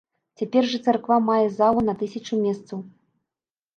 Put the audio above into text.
Цяпер жа царква мае залу на тысячу месцаў.